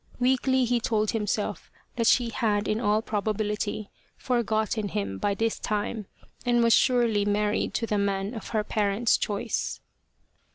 Weakly he told him self that she had in all probability forgotten him by this time and was surely married to the man of her parents' choice.